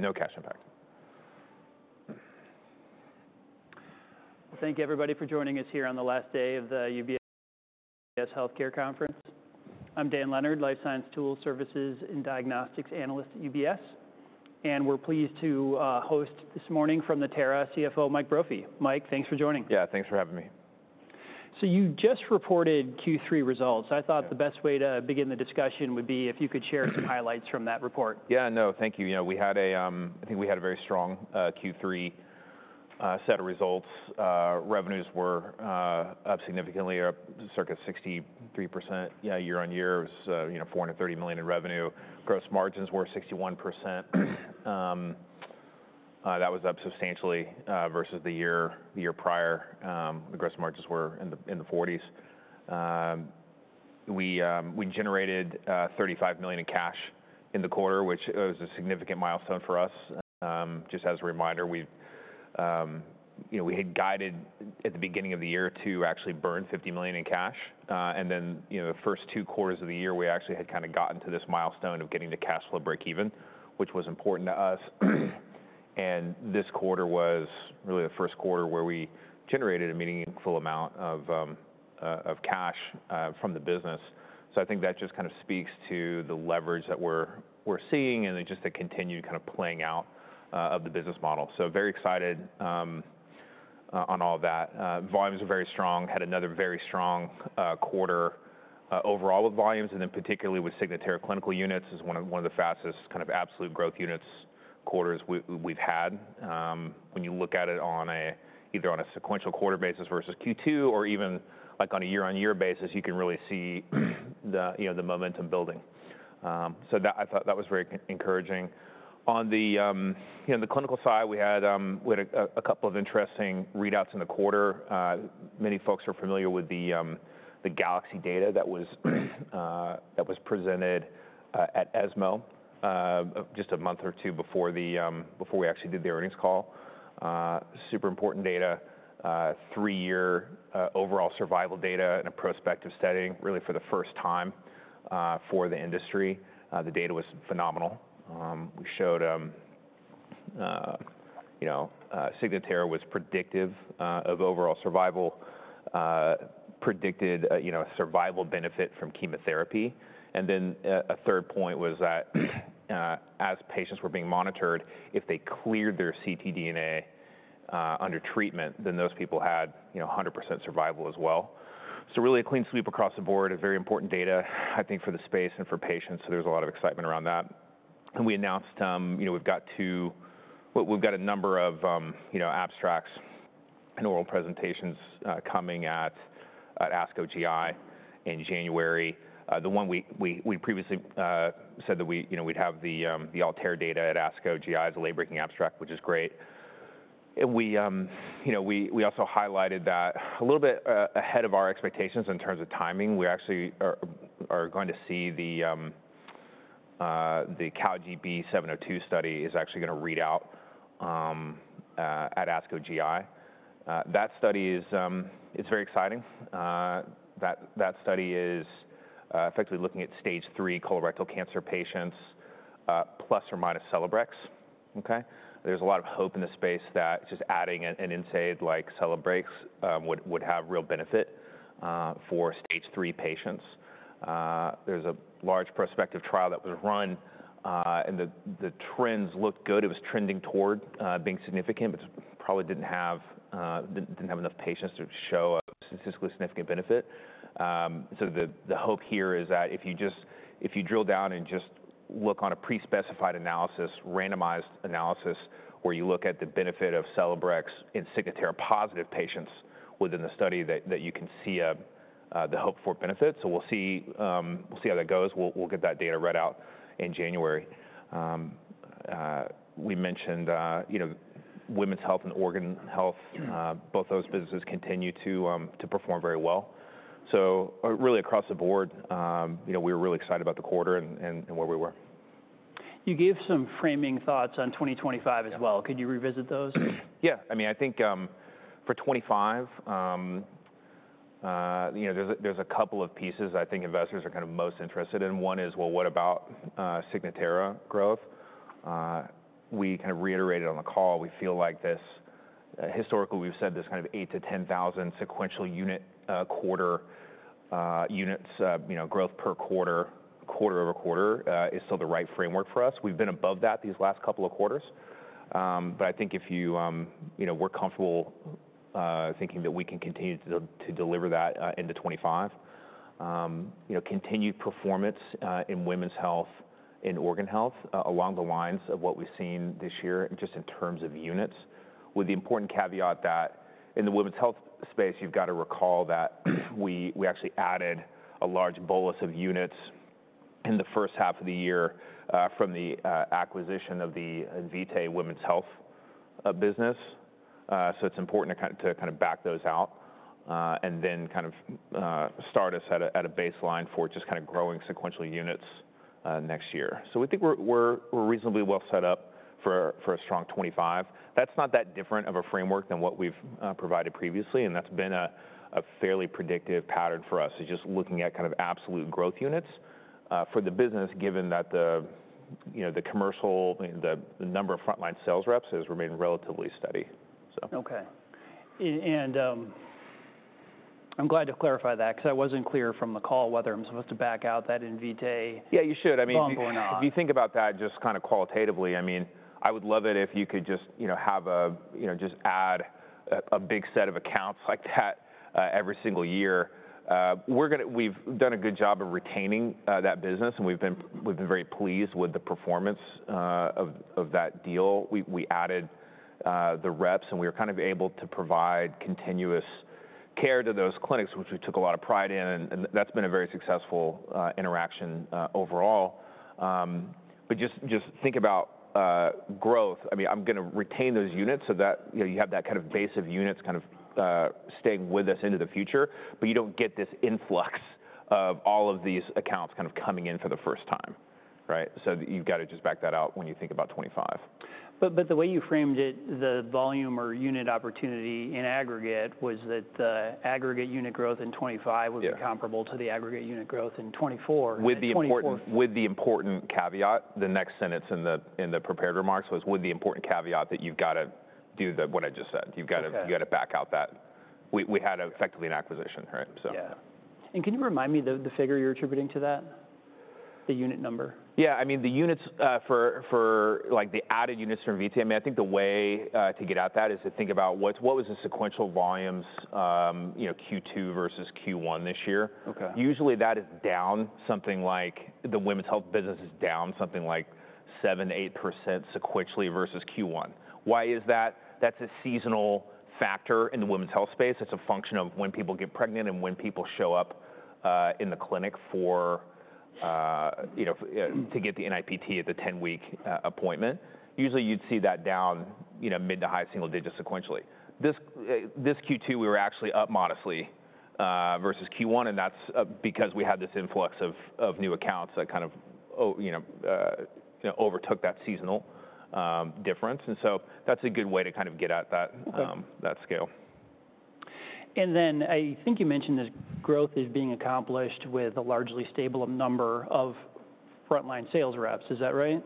But no cash impact. Thank you, everybody, for joining us here on the last day of the UBS Healthcare Conference. I'm Dan Leonard, Life Science Tool Services and Diagnostics Analyst at UBS, and we're pleased to host this morning from Natera, CFO Mike Brophy. Mike, thanks for joining. Yeah, thanks for having me. So you just reported Q3 results. I thought the best way to begin the discussion would be if you could share some highlights from that report. Yeah, no, thank you. You know, I think we had a very strong Q3 set of results. Revenues were up significantly, circa 63% year-on-year. It was, you know, $430 million in revenue. Gross margins were 61%. That was up substantially versus the year prior. The gross margins were in the 40s. We generated $35 million in cash in the quarter, which was a significant milestone for us. Just as a reminder, you know, we had guided at the beginning of the year to actually burn $50 million in cash. Then, you know, the first two quarters of the year, we actually had kind of gotten to this milestone of getting the cash flow break-even, which was important to us. This quarter was really the first quarter where we generated a meaningful amount of cash from the business. So I think that just kind of speaks to the leverage that we're seeing and then just the continued kind of playing out of the business model. So very excited on all of that. Volumes are very strong. Had another very strong quarter overall with volumes, and then particularly with Signatera Clinical Units as one of the fastest kind of absolute growth units quarters we've had. When you look at it on either a sequential quarter basis versus Q2 or even like on a year-on-year basis, you can really see the momentum building. So that I thought that was very encouraging. On the clinical side, we had a couple of interesting readouts in the quarter. Many folks are familiar with the Galaxy data that was presented at ESMO just a month or two before we actually did the earnings call. Super important data: three-year overall survival data in a prospective setting, really for the first time for the industry. The data was phenomenal. We showed Signatera was predictive of overall survival, predicted survival benefit from chemotherapy. And then a third point was that as patients were being monitored, if they cleared their ctDNA under treatment, then those people had 100% survival as well. So really a clean sweep across the board, a very important data, I think, for the space and for patients. So there was a lot of excitement around that. And we announced, you know, we've got two, we've got a number of abstracts and oral presentations coming at ASCO GI in January. The one we previously said that we'd have the ALTAIR data at ASCO GI as a late-breaking abstract, which is great. We also highlighted that a little bit ahead of our expectations in terms of timing. We actually are going to see the CALGB 702 study is actually going to read out at ASCO GI. That study is very exciting. That study is effectively looking at stage three colorectal cancer patients plus or minus Celebrex. Okay? There's a lot of hope in the space that just adding an NSAID like Celebrex would have real benefit for stage three patients. There's a large prospective trial that was run, and the trends looked good. It was trending toward being significant, but probably didn't have enough patients to show a statistically significant benefit. So the hope here is that if you just, if you drill down and just look on a pre-specified analysis, randomized analysis, where you look at the benefit of Celebrex in Signatera positive patients within the study, that you can see the hope for benefit. So we'll see how that goes. We'll get that data read out in January. We mentioned women's health and organ health. Both those businesses continue to perform very well. So really across the board, we were really excited about the quarter and where we were. You gave some framing thoughts on 2025 as well. Could you revisit those? Yeah. I mean, I think for 2025, there's a couple of pieces I think investors are kind of most interested in. One is, well, what about Signatera growth? We kind of reiterated on the call, we feel like this historically, we've said this kind of 8,000-10,000 sequential unit quarter units, growth per quarter, quarter-over-quarter is still the right framework for us. We've been above that these last couple of quarters. But I think if you were comfortable thinking that we can continue to deliver that into 2025, continued performance in women's health and organ health along the lines of what we've seen this year just in terms of units, with the important caveat that in the women's health space, you've got to recall that we actually added a large bolus of units in the first half of the year from the acquisition of the Invitae women's health business. So it's important to kind of back those out and then kind of start us at a baseline for just kind of growing sequential units next year. So we think we're reasonably well set up for a strong 2025. That's not that different of a framework than what we've provided previously. And that's been a fairly predictive pattern for us is just looking at kind of absolute growth units for the business, given that the commercial, the number of frontline sales reps has remained relatively steady. Okay. And I'm glad to clarify that because I wasn't clear from the call whether I'm supposed to back out that Invitae bump or not. Yeah, you should. I mean, if you think about that just kind of qualitatively, I mean, I would love it if you could just have a, just add a big set of accounts like that every single year. We've done a good job of retaining that business, and we've been very pleased with the performance of that deal. We added the reps, and we were kind of able to provide continuous care to those clinics, which we took a lot of pride in, and that's been a very successful interaction overall, but just think about growth. I mean, I'm going to retain those units so that you have that kind of base of units kind of staying with us into the future, but you don't get this influx of all of these accounts kind of coming in for the first time, right? So you've got to just back that out when you think about 2025. But the way you framed it, the volume or unit opportunity in aggregate was that the aggregate unit growth in 2025 would be comparable to the aggregate unit growth in 2024. With the important caveat, the next sentence in the prepared remarks was with the important caveat that you've got to do what I just said. You've got to back out that. We had effectively an acquisition, right? Yeah. And can you remind me the figure you're attributing to that, the unit number? Yeah. I mean, the units for like the added units from Invitae, I mean, I think the way to get out that is to think about what was the sequential volumes Q2 versus Q1 this year. Usually that is down something like the women's health business is down something like 7%, 8% sequentially versus Q1. Why is that? That's a seasonal factor in the women's health space. It's a function of when people get pregnant and when people show up in the clinic to get the NIPT at the 10-week appointment. Usually you'd see that down mid to high single digits sequentially. This Q2 we were actually up modestly versus Q1, and that's because we had this influx of new accounts that kind of overtook that seasonal difference. And so that's a good way to kind of get at that scale. I think you mentioned this growth is being accomplished with a largely stable number of frontline sales reps. Is that right?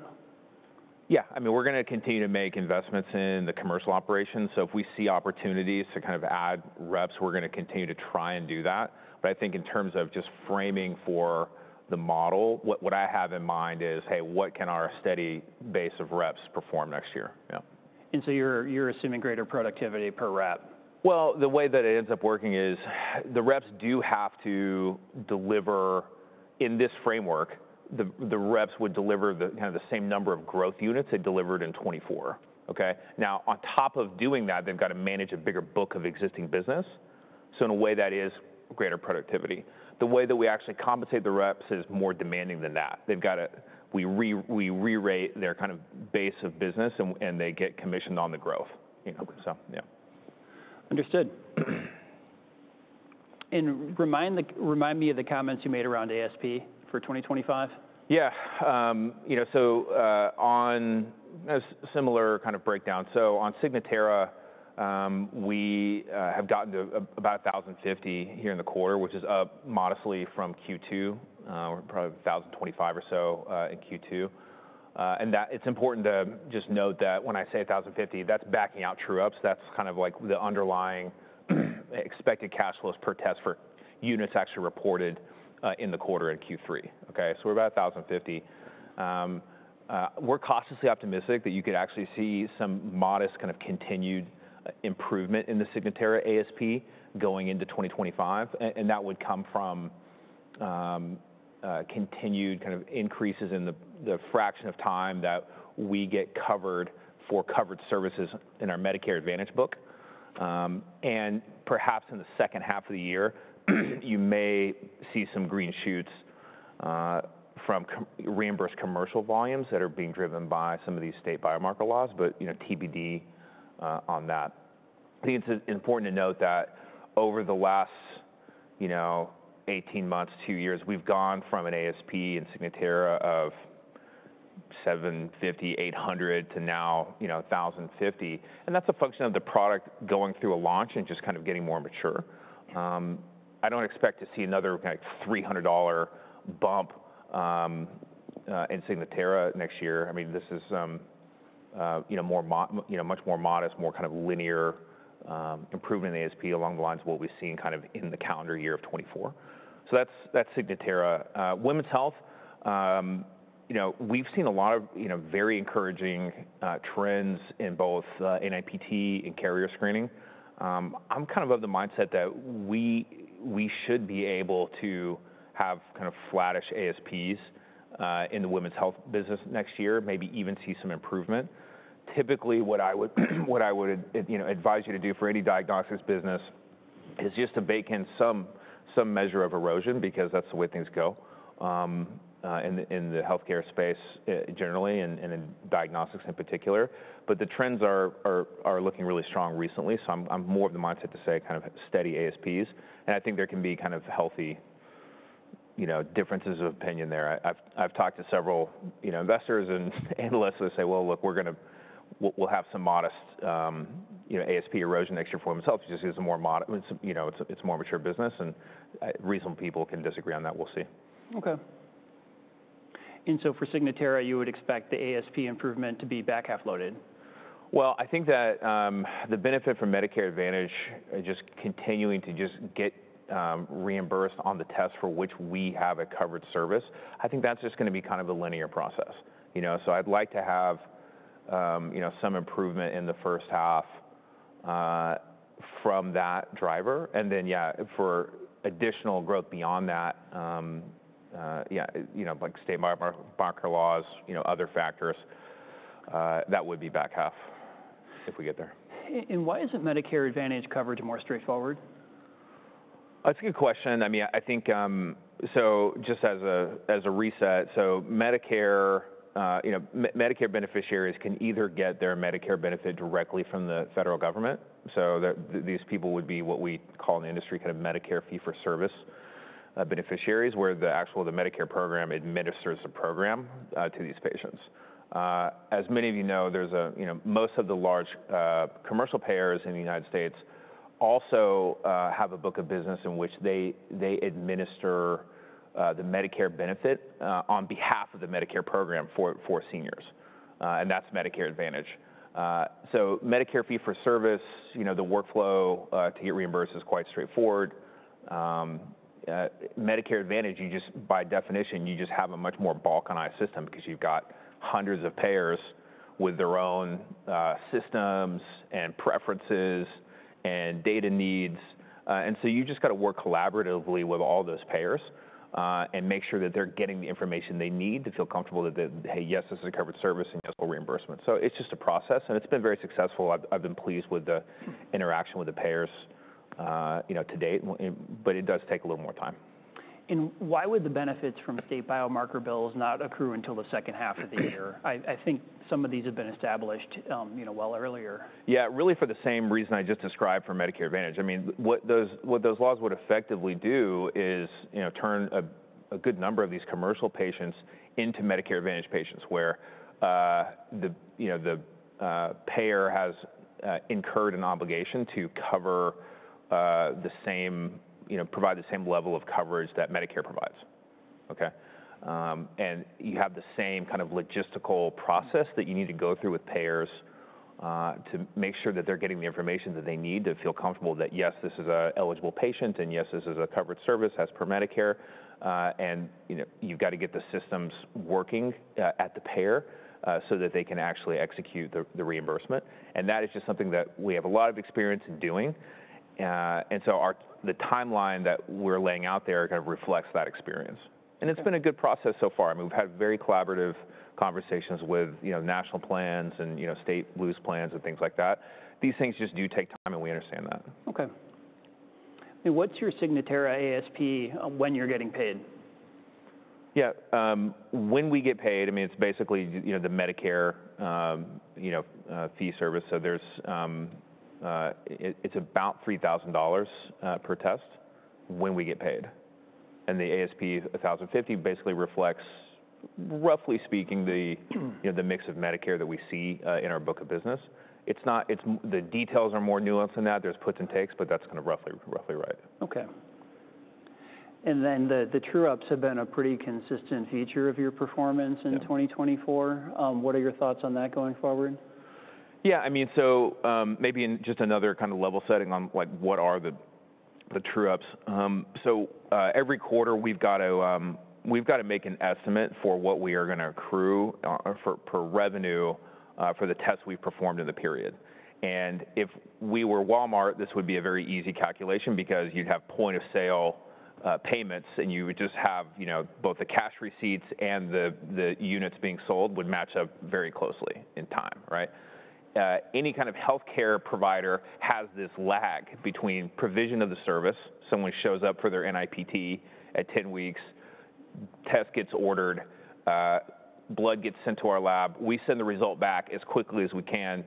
Yeah. I mean, we're going to continue to make investments in the commercial operations. So if we see opportunities to kind of add reps, we're going to continue to try and do that. But I think in terms of just framing for the model, what I have in mind is, hey, what can our steady base of reps perform next year? Yeah. And so you're assuming greater productivity per rep? The way that it ends up working is the reps do have to deliver in this framework, the reps would deliver kind of the same number of growth units they delivered in 2024. Okay? Now, on top of doing that, they've got to manage a bigger book of existing business. So in a way, that is greater productivity. The way that we actually compensate the reps is more demanding than that. We re-rate their kind of base of business, and they get commissioned on the growth. Understood, and remind me of the comments you made around ASP for 2025. Yeah. So on a similar kind of breakdown, so on Signatera, we have gotten to about 1,050 here in the quarter, which is up modestly from Q2, probably 1,025 or so in Q2. And it's important to just note that when I say 1,050, that's backing out true ups. That's kind of like the underlying expected cash flows per test for units actually reported in the quarter in Q3. Okay? So we're about 1,050. We're cautiously optimistic that you could actually see some modest kind of continued improvement in the Signatera ASP going into 2025. And that would come from continued kind of increases in the fraction of time that we get covered for covered services in our Medicare Advantage book. And perhaps in the second half of the year, you may see some green shoots from reimbursed commercial volumes that are being driven by some of these state biomarker laws, but TBD on that. I think it's important to note that over the last 18 months, two years, we've gone from an ASP for Signatera of $750-$800 to now $1,050. And that's a function of the product going through a launch and just kind of getting more mature. I don't expect to see another kind of $300 bump in Signatera next year. I mean, this is much more modest, more kind of linear improvement in the ASP along the lines of what we've seen kind of in the calendar year of 2024. So that's Signatera. Women's health, we've seen a lot of very encouraging trends in both NIPT and carrier screening. I'm kind of of the mindset that we should be able to have kind of flattish ASPs in the women's health business next year, maybe even see some improvement. Typically, what I would advise you to do for any diagnostics business is just to bake in some measure of erosion because that's the way things go in the healthcare space generally and in diagnostics in particular. But the trends are looking really strong recently. So I'm more of the mindset to say kind of steady ASPs. And I think there can be kind of healthy differences of opinion there. I've talked to several investors and analysts that say, well, look, we'll have some modest ASP erosion next year for women's health. It's just because it's a more mature business. And reasonable people can disagree on that. We'll see. Okay, and so for Signatera, you would expect the ASP improvement to be back half loaded? I think that the benefit from Medicare Advantage just continuing to just get reimbursed on the test for which we have a covered service. I think that's just going to be kind of a linear process. So I'd like to have some improvement in the first half from that driver. And then, yeah, for additional growth beyond that, yeah, like state biomarker laws, other factors, that would be back half if we get there. Why isn't Medicare Advantage coverage more straightforward? That's a good question. I mean, I think, just as a reset, Medicare beneficiaries can either get their Medicare benefit directly from the federal government. These people would be what we call in the industry kind of Medicare fee for service beneficiaries where the actual Medicare program administers the program to these patients. As many of you know, most of the large commercial payers in the United States also have a book of business in which they administer the Medicare benefit on behalf of the Medicare program for seniors. That's Medicare Advantage. Medicare fee for service, the workflow to get reimbursed is quite straightforward. Medicare Advantage, by definition, you just have a much more balkanized system because you've got hundreds of payers with their own systems and preferences and data needs. And so you just got to work collaboratively with all those payers and make sure that they're getting the information they need to feel comfortable that, hey, yes, this is a covered service and yes, we'll reimburse them. So it's just a process. And it's been very successful. I've been pleased with the interaction with the payers to date, but it does take a little more time. Why would the benefits from state biomarker bills not accrue until the second half of the year? I think some of these have been established well earlier. Yeah, really for the same reason I just described for Medicare Advantage. I mean, what those laws would effectively do is turn a good number of these commercial patients into Medicare Advantage patients where the payer has incurred an obligation to cover the same, provide the same level of coverage that Medicare provides. Okay? And you have the same kind of logistical process that you need to go through with payers to make sure that they're getting the information that they need to feel comfortable that, yes, this is an eligible patient and yes, this is a covered service as per Medicare. And you've got to get the systems working at the payer so that they can actually execute the reimbursement. And that is just something that we have a lot of experience in doing. And so the timeline that we're laying out there kind of reflects that experience. It's been a good process so far. I mean, we've had very collaborative conversations with national plans and state Blue plans and things like that. These things just do take time, and we understand that. Okay. And what's your Signatera ASP when you're getting paid? Yeah. When we get paid, I mean, it's basically the Medicare fee-for-service, so it's about $3,000 per test when we get paid, and the ASP $1,050 basically reflects, roughly speaking, the mix of Medicare that we see in our book of business. The details are more nuanced than that. There's puts and takes, but that's kind of roughly right. Okay, and then the true ups have been a pretty consistent feature of your performance in 2024. What are your thoughts on that going forward? Yeah. I mean, so maybe just another kind of level setting on what are the true ups. So every quarter, we've got to make an estimate for what we are going to accrue for revenue for the test we've performed in the period. And if we were Walmart, this would be a very easy calculation because you'd have point of sale payments, and you would just have both the cash receipts and the units being sold would match up very closely in time, right? Any kind of healthcare provider has this lag between provision of the service. Someone shows up for their NIPT at 10 weeks, test gets ordered, blood gets sent to our lab. We send the result back as quickly as we can.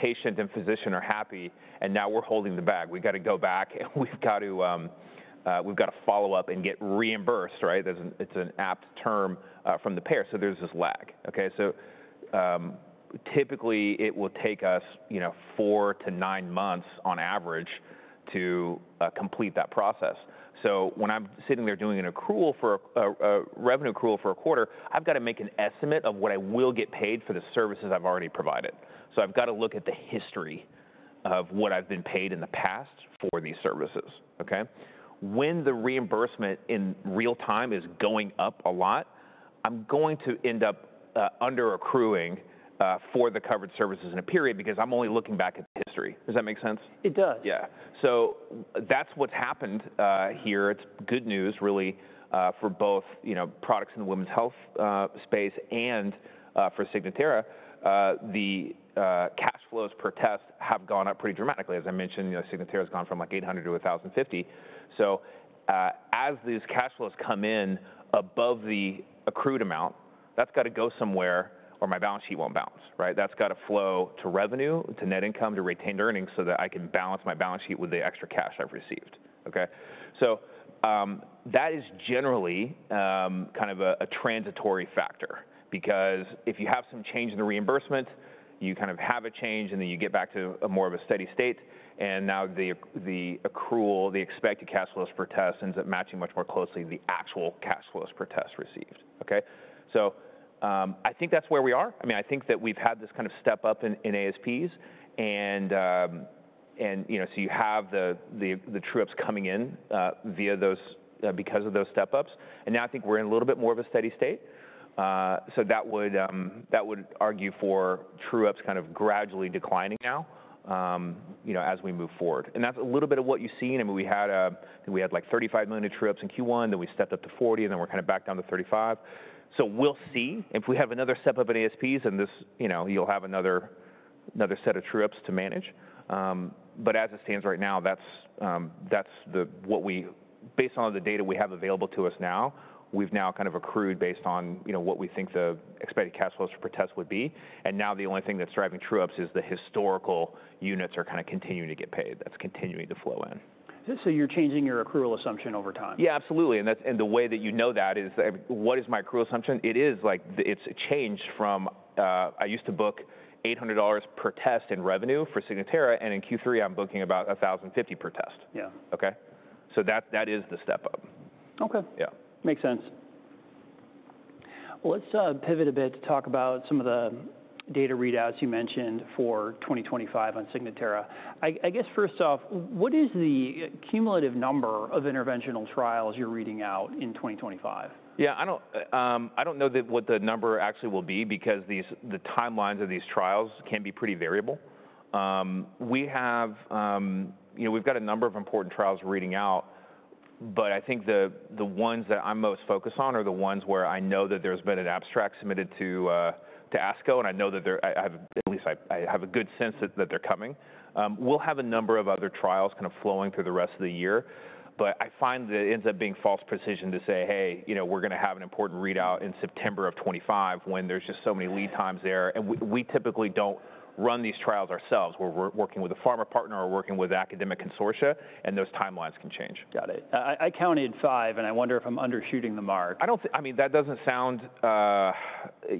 Patient and physician are happy. And now we're holding the bag. We've got to go back, and we've got to follow up and get reimbursed, right? It's an apt term from the payer. So there's this lag. Okay? So typically, it will take us four to nine months on average to complete that process. So when I'm sitting there doing a revenue accrual for a quarter, I've got to make an estimate of what I will get paid for the services I've already provided. So I've got to look at the history of what I've been paid in the past for these services. Okay? When the reimbursement in real time is going up a lot, I'm going to end up under-accruing for the covered services in a period because I'm only looking back at the history. Does that make sense? It does. Yeah. So that's what's happened here. It's good news really for both products in the women's health space and for Signatera. The cash flows per test have gone up pretty dramatically. As I mentioned, Signatera has gone from like $800 to $1,050. So as these cash flows come in above the accrued amount, that's got to go somewhere or my balance sheet won't balance, right? That's got to flow to revenue, to net income, to retained earnings so that I can balance my balance sheet with the extra cash I've received. Okay? So that is generally kind of a transitory factor because if you have some change in the reimbursement, you kind of have a change, and then you get back to more of a steady state. And now the accrual, the expected cash flows per test ends up matching much more closely the actual cash flows per test received. Okay? So I think that's where we are. I mean, I think that we've had this kind of step up in ASPs, and so you have the true ups coming in because of those step ups, and now I think we're in a little bit more of a steady state, so that would argue for true ups kind of gradually declining now as we move forward, and that's a little bit of what you see. I mean, we had like $35 million in true ups in Q1, then we stepped up to $40 million, and then we're kind of back down to $35 million, so we'll see. If we have another step up in ASPs, then you'll have another set of true ups to manage. But as it stands right now, that's what we, based on the data we have available to us now, we've now kind of accrued based on what we think the expected cash flows per test would be. And now the only thing that's driving true ups is the historical units are kind of continuing to get paid. That's continuing to flow in. You're changing your accrual assumption over time. Yeah, absolutely. And the way that you know that is what is my accrual assumption? It is like it's changed from I used to book $800 per test in revenue for Signatera, and in Q3, I'm booking about 1,050 per test. Yeah. Okay? So that is the step up. Okay. Makes sense. Well, let's pivot a bit to talk about some of the data readouts you mentioned for 2025 on Signatera. I guess first off, what is the cumulative number of interventional trials you're reading out in 2025? Yeah. I don't know what the number actually will be because the timelines of these trials can be pretty variable. We've got a number of important trials we're reading out, but I think the ones that I'm most focused on are the ones where I know that there's been an abstract submitted to ASCO, and I know that they're, at least I have a good sense that they're coming. We'll have a number of other trials kind of flowing through the rest of the year. But I find that it ends up being false precision to say, hey, we're going to have an important readout in September of 2025 when there's just so many lead times there. And we typically don't run these trials ourselves. We're working with a pharma partner or working with academic consortia, and those timelines can change. Got it. I counted five, and I wonder if I'm undershooting the mark. I mean, that doesn't sound,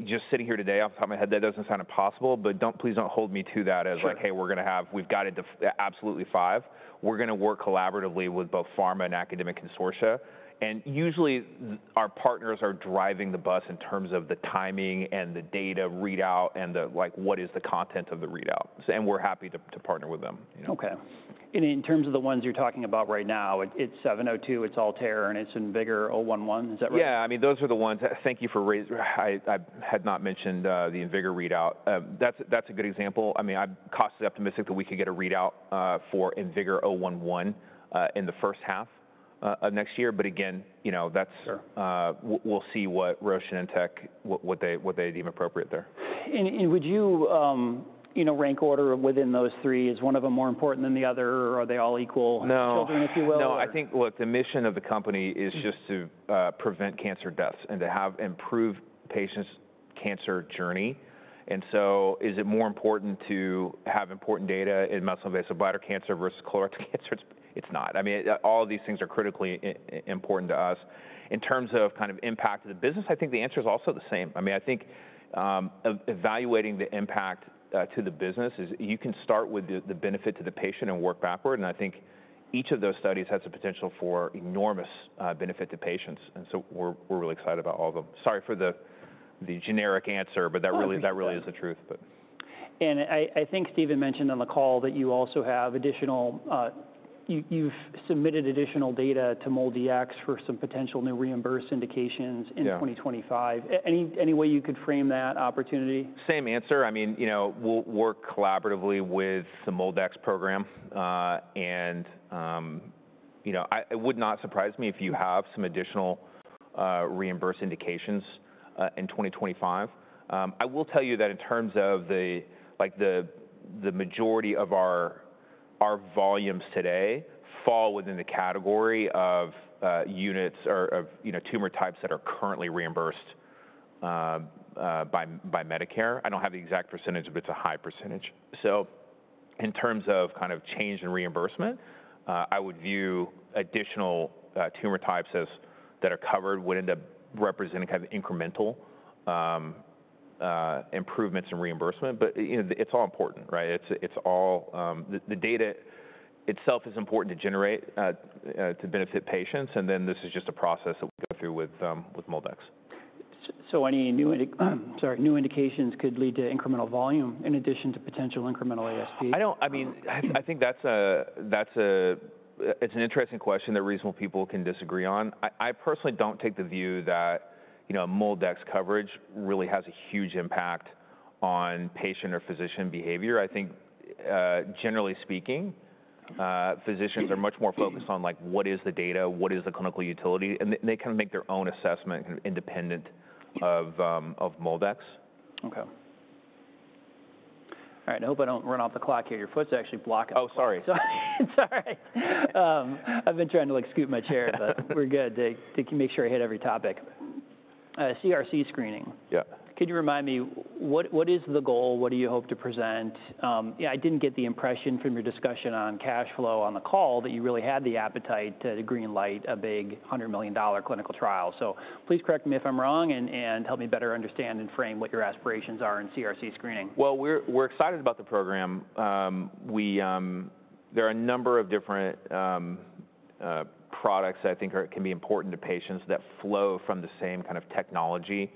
just sitting here today off the top of my head, that doesn't sound impossible, but please don't hold me to that as like, hey, we're going to have, we've got it to absolutely five. We're going to work collaboratively with both pharma and academic consortia, and usually, our partners are driving the bus in terms of the timing and the data readout and what is the content of the readout, and we're happy to partner with them. Okay, and in terms of the ones you're talking about right now, it's 702, it's ALTAIR, and it's IMvigor011. Is that right? Yeah. I mean, those are the ones. Thank you for raising. I had not mentioned the Invigor readout. That's a good example. I mean, I'm cautiously optimistic that we could get a readout for IMvigor011 in the first half of next year. But again, we'll see what Roche and Genentech, what they deem appropriate there. Would you rank order within those three? Is one of them more important than the other? Are they all equal children, if you will? No. I think, look, the mission of the company is just to prevent cancer deaths and to have improved patients' cancer journey. And so is it more important to have important data in muscle invasive bladder cancer versus colorectal cancer? It's not. I mean, all of these things are critically important to us. In terms of kind of impact to the business, I think the answer is also the same. I mean, I think evaluating the impact to the business is you can start with the benefit to the patient and work backward. And I think each of those studies has a potential for enormous benefit to patients. And so we're really excited about all of them. Sorry for the generic answer, but that really is the truth. And I think Steven mentioned on the call that you also have additional, you've submitted additional data to MolDX for some potential new reimbursed indications in 2025. Any way you could frame that opportunity? Same answer. I mean, we'll work collaboratively with the MolDX program, and it would not surprise me if you have some additional reimbursed indications in 2025. I will tell you that in terms of the majority of our volumes today fall within the category of units or tumor types that are currently reimbursed by Medicare. I don't have the exact percentage, but it's a high percentage, so in terms of kind of change in reimbursement, I would view additional tumor types that are covered would end up representing kind of incremental improvements in reimbursement. But it's all important, right? The data itself is important to generate to benefit patients, and then this is just a process that we go through with MolDX. So any new indications could lead to incremental volume in addition to potential incremental ASP? I mean, I think it's an interesting question that reasonable people can disagree on. I personally don't take the view that MolDX coverage really has a huge impact on patient or physician behavior. I think, generally speaking, physicians are much more focused on what is the data, what is the clinical utility, and they kind of make their own assessment independent of MolDX. Okay. All right. I hope I don't run off the clock here. Your foot's actually blocking me. Oh, sorry. Sorry. I've been trying to scoot my chair, but we're good to make sure I hit every topic. CRC screening. Yeah. Could you remind me, what is the goal? What do you hope to present? I didn't get the impression from your discussion on cash flow on the call that you really had the appetite to greenlight a big $100 million clinical trial. So please correct me if I'm wrong and help me better understand and frame what your aspirations are in CRC screening. We're excited about the program. There are a number of different products that I think can be important to patients that flow from the same kind of technology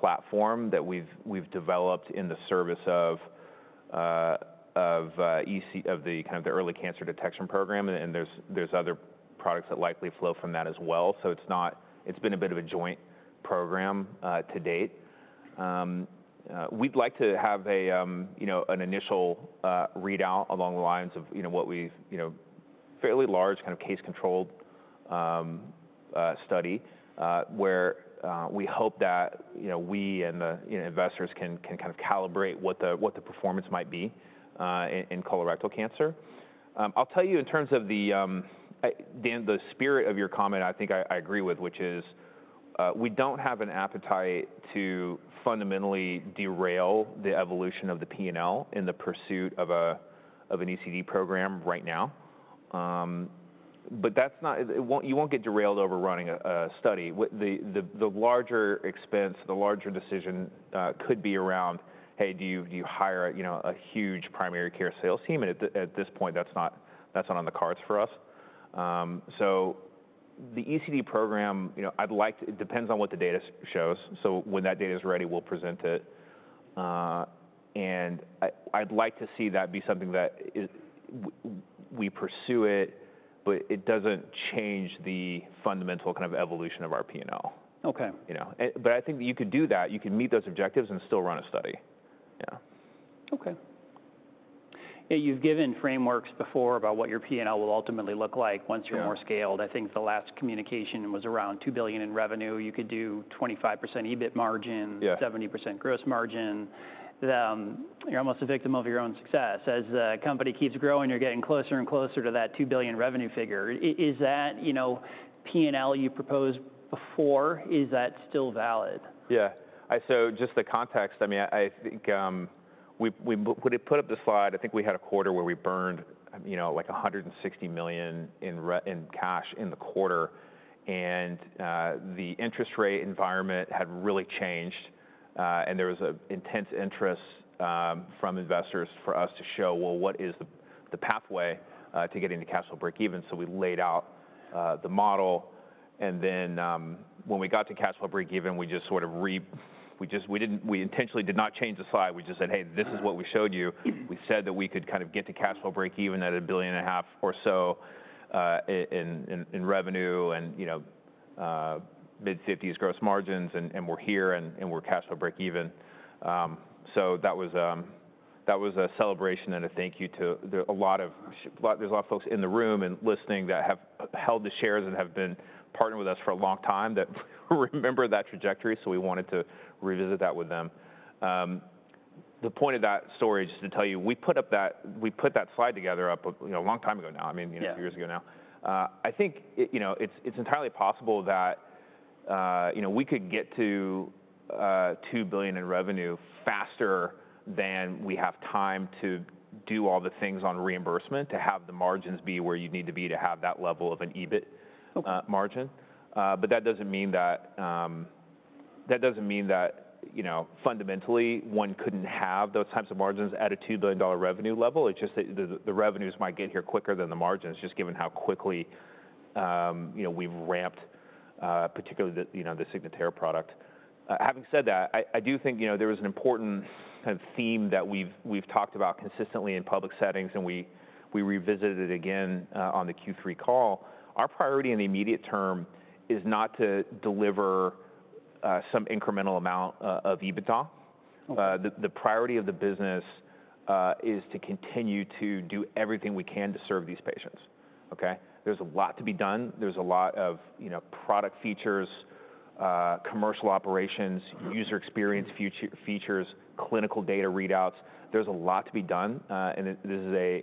platform that we've developed in the service of the kind of the early cancer detection program. There's other products that likely flow from that as well. It's been a bit of a joint program to date. We'd like to have an initial readout along the lines of what we fairly large kind of case-controlled study where we hope that we and the investors can kind of calibrate what the performance might be in colorectal cancer. I'll tell you in terms of the spirit of your comment, I think I agree with, which is we don't have an appetite to fundamentally derail the evolution of the P&L in the pursuit of an ECD program right now. But you won't get derailed overrunning a study. The larger expense, the larger decision could be around, hey, do you hire a huge primary care sales team? And at this point, that's not on the cards for us. So the ECD program, it depends on what the data shows. So when that data is ready, we'll present it. And I'd like to see that be something that we pursue it, but it doesn't change the fundamental kind of evolution of our P&L. But I think you could do that. You could meet those objectives and still run a study. Yeah. Okay. You've given frameworks before about what your P&L will ultimately look like once you're more scaled. I think the last communication was around $2 billion in revenue. You could do 25% EBIT margin, 70% gross margin. You're almost a victim of your own success. As the company keeps growing, you're getting closer and closer to that $2 billion revenue figure. Is that P&L you proposed before, is that still valid? Yeah. So just the context, I mean, I think when we put up the slide, I think we had a quarter where we burned like $160 million in cash in the quarter. And the interest rate environment had really changed. And there was an intense interest from investors for us to show, well, what is the pathway to getting to cash flow breakeven? So we laid out the model. And then when we got to cash flow breakeven, we just sort of, we intentionally did not change the slide. We just said, hey, this is what we showed you. We said that we could kind of get to cash flow breakeven at $1.5 billion or so in revenue and mid-50s percent gross margins. And we're here and we're cash flow breakeven. So that was a celebration and a thank you to a lot of, there's a lot of folks in the room and listening that have held the shares and have been partnered with us for a long time that remember that trajectory. So we wanted to revisit that with them. The point of that story is just to tell you, we put that slide together a long time ago now, I mean, a few years ago now. I think it's entirely possible that we could get to 2 billion in revenue faster than we have time to do all the things on reimbursement to have the margins be where you need to be to have that level of an EBIT margin. But that doesn't mean that, that doesn't mean that fundamentally one couldn't have those types of margins at a $2 billion revenue level. It's just that the revenues might get here quicker than the margins, just given how quickly we've ramped, particularly the Signatera product. Having said that, I do think there was an important kind of theme that we've talked about consistently in public settings, and we revisited it again on the Q3 call. Our priority in the immediate term is not to deliver some incremental amount of EBITDA. The priority of the business is to continue to do everything we can to serve these patients. Okay? There's a lot to be done. There's a lot of product features, commercial operations, user experience features, clinical data readouts. There's a lot to be done, and this is a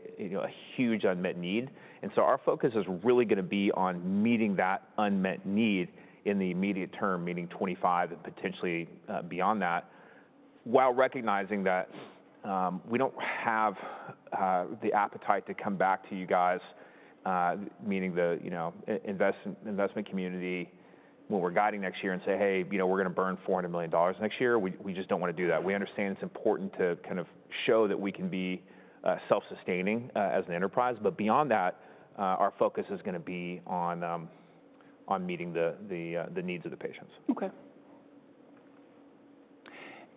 huge unmet need. And so our focus is really going to be on meeting that unmet need in the immediate term, meaning 2025 and potentially beyond that, while recognizing that we don't have the appetite to come back to you guys, meaning the investment community, when we're guiding next year and say, hey, we're going to burn $400 million next year. We just don't want to do that. We understand it's important to kind of show that we can be self-sustaining as an enterprise. But beyond that, our focus is going to be on meeting the needs of the patients. Okay.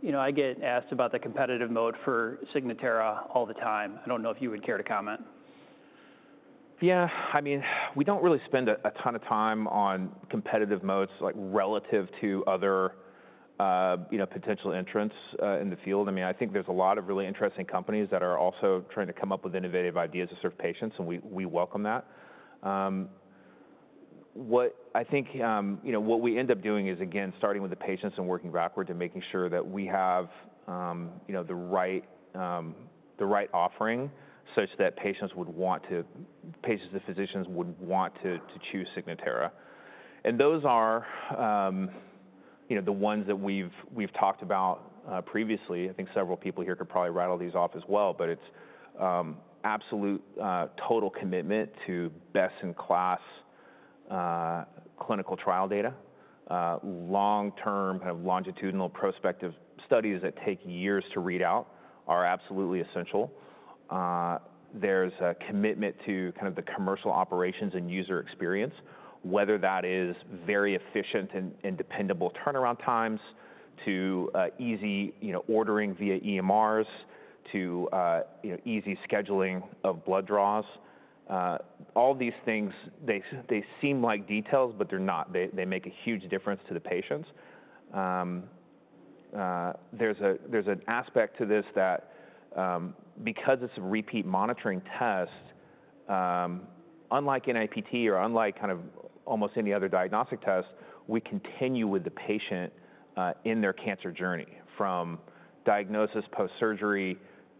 You know, I get asked about the competitive moat for Signatera all the time. I don't know if you would care to comment. Yeah. I mean, we don't really spend a ton of time on competitive moats relative to other potential entrants in the field. I mean, I think there's a lot of really interesting companies that are also trying to come up with innovative ideas to serve patients, and we welcome that. I think what we end up doing is, again, starting with the patients and working backward to making sure that we have the right offering such that patients would want to, patients and physicians would want to choose Signatera, and those are the ones that we've talked about previously. I think several people here could probably rattle these off as well, but it's absolute total commitment to best-in-class clinical trial data. Long-term kind of longitudinal prospective studies that take years to read out are absolutely essential. There's a commitment to kind of the commercial operations and user experience, whether that is very efficient and dependable turnaround times, to easy ordering via EMRs, to easy scheduling of blood draws. All these things, they seem like details, but they're not. They make a huge difference to the patients. There's an aspect to this that because it's a repeat monitoring test, unlike NIPT or unlike kind of almost any other diagnostic test, we continue with the patient in their cancer journey from diagnosis, post-surgery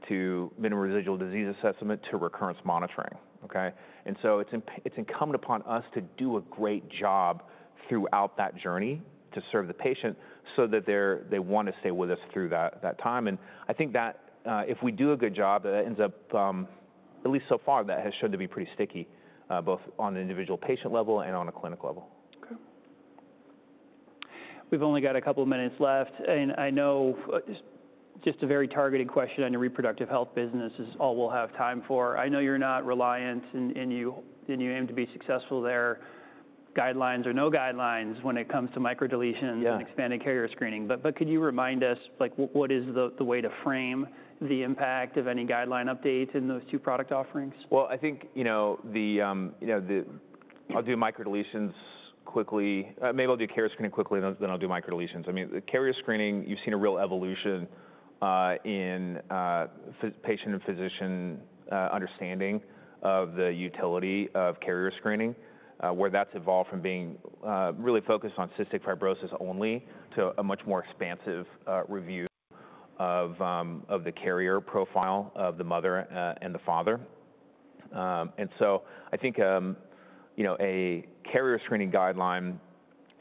to minimal residual disease assessment to recurrence monitoring. Okay? And so it's incumbent upon us to do a great job throughout that journey to serve the patient so that they want to stay with us through that time. I think that if we do a good job, that ends up, at least so far, that has shown to be pretty sticky both on the individual patient level and on a clinic level. Okay. We've only got a couple of minutes left. And I know just a very targeted question on your reproductive health business is all we'll have time for. I know you're not reliant and you aim to be successful there. Guidelines or no guidelines when it comes to microdeletions and expanded carrier screening. But could you remind us what is the way to frame the impact of any guideline updates in those two product offerings? I think I'll do microdeletions quickly. Maybe I'll do carrier screening quickly, then I'll do microdeletions. I mean, carrier screening, you've seen a real evolution in patient and physician understanding of the utility of carrier screening, where that's evolved from being really focused on cystic fibrosis only to a much more expansive review of the carrier profile of the mother and the father. And so I think a carrier screening guideline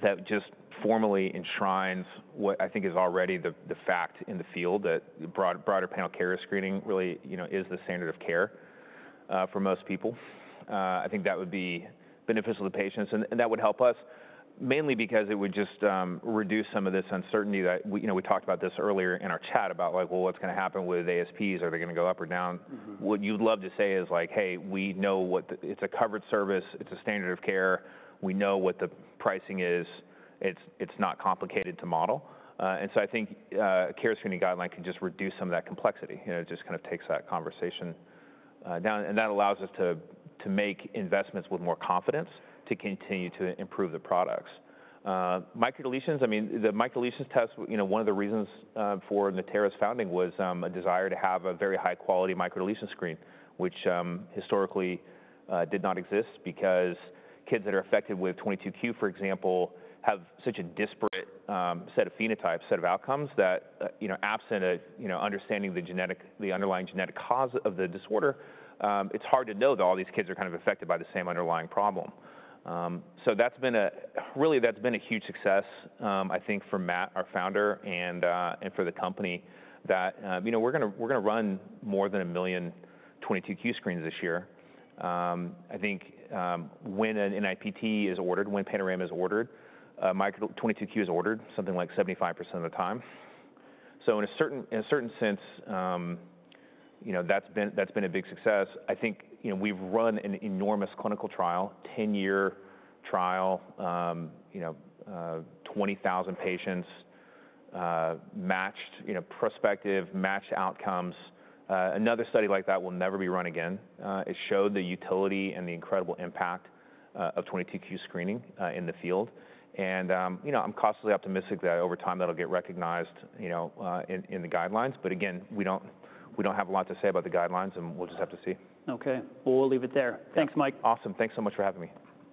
that just formally enshrines what I think is already the fact in the field that broader panel carrier screening really is the standard of care for most people, I think that would be beneficial to the patients. And that would help us mainly because it would just reduce some of this uncertainty that we talked about this earlier in our chat about like, well, what's going to happen with ASPs? Are they going to go up or down? What you'd love to say is like, hey, we know it's a covered service. It's a standard of care. We know what the pricing is. It's not complicated to model. And so I think a carrier screening guideline could just reduce some of that complexity. It just kind of takes that conversation down. And that allows us to make investments with more confidence to continue to improve the products. Microdeletions, I mean, the microdeletions test, one of the reasons for Natera's founding was a desire to have a very high-quality microdeletion screen, which historically did not exist because kids that are affected with 22q, for example, have such a disparate set of phenotypes, set of outcomes that absent understanding the underlying genetic cause of the disorder, it's hard to know that all these kids are kind of affected by the same underlying problem. So that's been a huge success, I think, for Matt, our founder, and for the company that we're going to run more than a million 22q screens this year. I think when an NIPT is ordered, when Panorama is ordered, 22q is ordered something like 75% of the time, so in a certain sense, that's been a big success. I think we've run an enormous clinical trial, 10-year trial, 20,000 patients, matched prospective, matched outcomes. Another study like that will never be run again. It showed the utility and the incredible impact of 22q screening in the field, and I'm cautiously optimistic that over time that'll get recognized in the guidelines, but again, we don't have a lot to say about the guidelines, and we'll just have to see. Okay. Well, we'll leave it there. Thanks, Mike. Awesome. Thanks so much for having me.